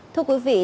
thưa quý vị